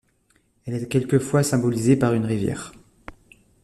Elle est quelquefois symbolisée par une rivière.